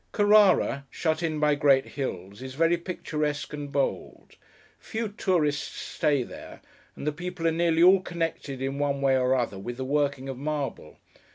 Carrara, shut in by great hills, is very picturesque and bold. Few tourists stay there; and the people are nearly all connected, in one way or other, with the working of marble.